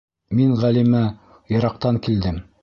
— Мин Ғәлимә, йыраҡтан килдем.